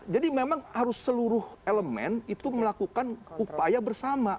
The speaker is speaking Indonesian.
jadi memang harus seluruh elemen itu melakukan upaya bersama